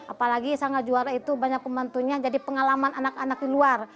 apalagi sanggal juara itu banyak pembantunya jadi pengalaman anak anak di luar